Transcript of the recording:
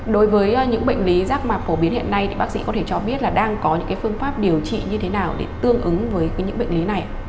đối với những bệnh lý rác mạc phổ biến hiện nay thì bác sĩ có thể cho biết là đang có những phương pháp điều trị như thế nào để tương ứng với những bệnh lý này